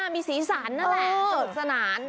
มีสีสันนั่นแหละสนุกสนาน